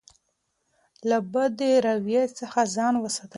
له بدې رویې څخه ځان وساتئ.